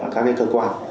các cái cơ quan